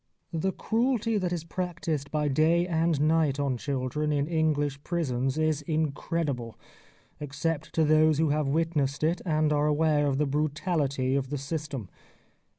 The cruelty that is practised by day and night on children in English prisons is incredible, except to those who have witnessed it and are aware of the brutality of the system.